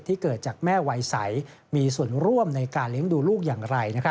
เกิดจากแม่วัยใสมีส่วนร่วมในการเลี้ยงดูลูกอย่างไร